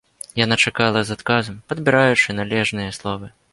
Яна чакала з адказам, падбіраючы належныя словы.